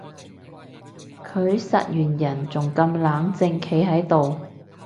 佢殺完人仲咁冷靜企喺度